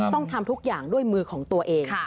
ทำทุกอย่างด้วยมือของตัวเอง